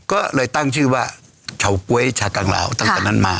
ก็เลยตั้งชื่อว่าเฉาก๊วยชากังลาวตั้งแต่นั้นมา